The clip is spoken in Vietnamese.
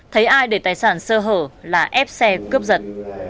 thấy ai để tài sản sơ hở là ép xe cướp giật